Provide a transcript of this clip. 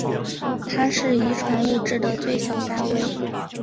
它是遗传物质的最小单位。